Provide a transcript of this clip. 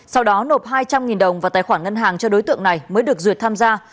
sau đó nộp hai trăm linh đồng vào tài khoản ngân hàng cho đối tượng này mới được duyệt tham gia